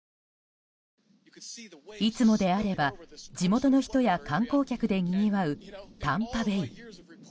いつもであれば、地元の人や観光客でにぎわうタンパ・ベイ。